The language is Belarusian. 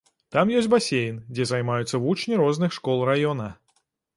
Там ёсць басейн, дзе займаюцца вучні розных школ раёна.